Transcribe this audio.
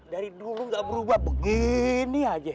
dari dulu nggak berubah begini aja